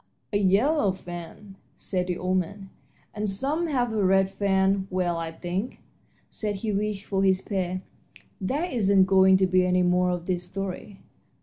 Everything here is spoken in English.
"A yellow fan," said the old man. "And some have a red fan. Well, I think," said he, reaching for his pail, "there isn't going to be any more of this story."